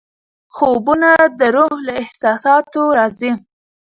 خوبونه د روح له احساساتو راځي.